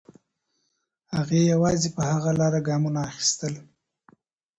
هغې یوازې په هغه لاره ګامونه اخیستل.